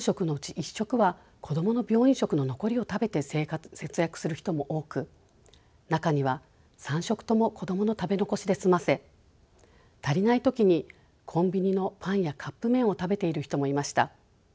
１食は子どもの病院食の残りを食べて節約する人も多く中には３食とも子どもの食べ残しで済ませ足りない時にコンビニのパンやカップ麺を食べている人もいました。